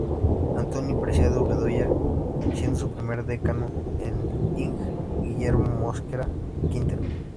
Antonio Preciado Bedoya, siendo su primer Decano el Ing. Guillermo Mosquera Quintero.